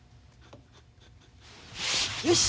よし！